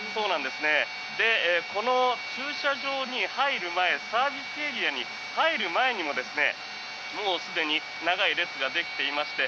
この駐車場に入る前サービスエリアに入る前にもすでに長い列ができていまして